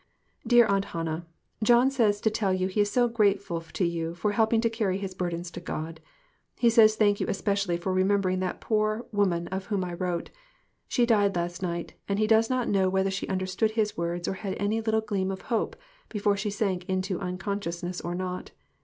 " Dear Aunt Hannah, John says to tell you he is so grateful to you for helping to carry his bur dens to God. He says thank you especially for remembering that poor woman of whom I wrote. She died that night, and he does not know whether she understood his words or had any little gleam of hope before she sank into uncon sciousness or not.